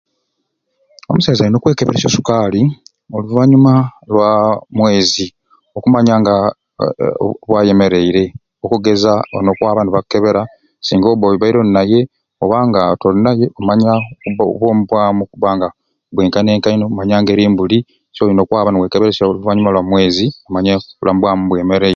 Omusaiza ayina okwekeberesya osukaali oluvanyuma lwa mwezi okumanya nga nka nka bwayemereire okugeza nokwaba nibakebera singa oba nga oyina oba toyina nomanya obwomi bwamu okuba nga bwenkaine nkaine nomanya nkanebuli so oyina okwaba niwekeberesya oluvanyuma lwa mwezi nomanya obulamu bwamu nibwemereire